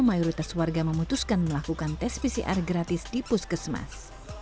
mayoritas warga memutuskan melakukan tes pcr gratis di puskesmas